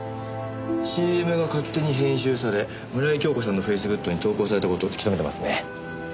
ＣＭが勝手に編集され村井今日子さんのフェイスグッドに投稿された事をつきとめてますね。